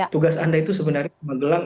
tugas anda itu sebenarnya magelang